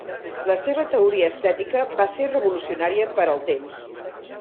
La seva teoria estètica va ser revolucionària per al temps.